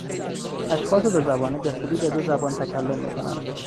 اشخاص دو زبانه به خوبی به دو زبان تکلم میکنند.